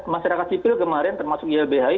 masyarakat sipil kemarin termasuk ylbhi